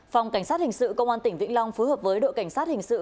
phòng cảnh sát hình sự công an tỉnh vĩnh long phối hợp với đội cảnh sát hình sự